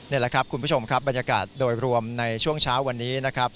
นี่แหละครับคุณผู้ชมครับบรรยากาศโดยรวมในช่วงเช้าวันนี้นะครับ